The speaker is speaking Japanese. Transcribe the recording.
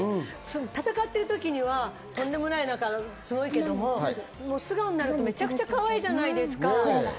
戦っているときには、とんでもなく強いけど、素顔はめちゃくちゃかわいいじゃないですか。